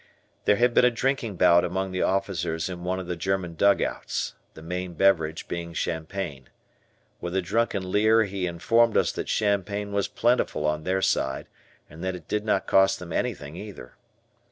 There had been a drinking bout among the officers in one of the German dugouts, the main beverage being champagne. With a drunken leer he informed us that champagne was plentiful on their side and that it did not cost them anything either.